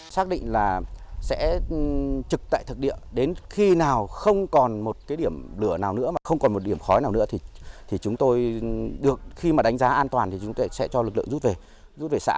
xác định là sẽ trực tại thực địa đến khi nào không còn một cái điểm lửa nào nữa mà không còn một điểm khói nào nữa thì chúng tôi được khi mà đánh giá an toàn thì chúng tôi sẽ cho lực lượng rút về rút về xã